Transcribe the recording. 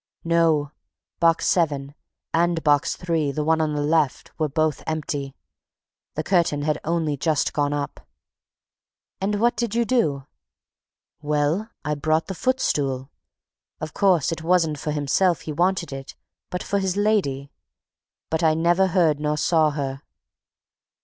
"No; Box Seven, and Box Three, the one on the left, were both empty. The curtain had only just gone up." "And what did you do?" "Well, I brought the footstool. Of course, it wasn't for himself he wanted it, but for his lady! But I never heard her nor saw her."